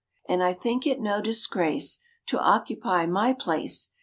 And I think it no disgrace To occupy my place.